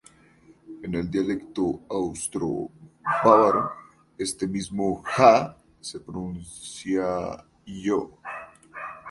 En el dialecto austro-bávaro, este mismo "ja" se pronuncia "yo".